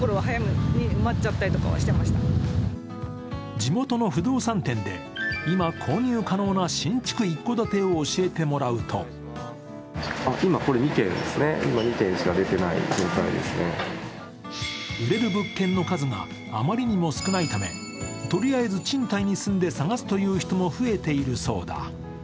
地元の不動産店で今、購入可能な新築一戸建てを教えてもらうと売れる物件の数があまりにも少ないため、とりあえず賃貸に住んで探すという人も増えているそうだ。